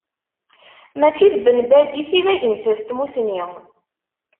Mačči d Ben Badis i d agensas n tmusni.